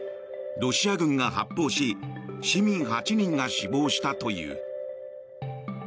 ロシア軍が発砲し市民８人が死亡したという。